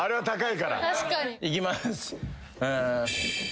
いきまーす。